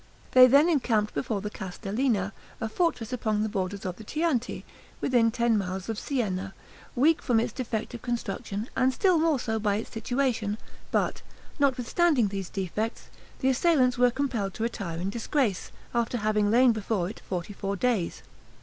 They then encamped before the Castellina, a fortress upon the borders of the Chianti, within ten miles of Sienna, weak from its defective construction, and still more so by its situation; but, notwithstanding these defects, the assailants were compelled to retire in disgrace, after having lain before it forty four days.